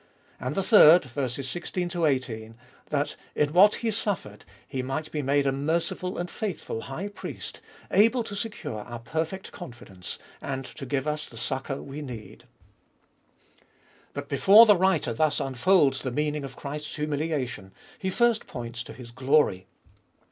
And the third (16 18), that in what He suffered, He might be made a merciful and faithful High Priest, able to secure our perfect confidence, and to give us the succour we need. But before the writer thus unfolds the meaning of Christ's humiliation, he first points to His glory.